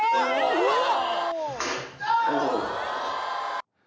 うわっ！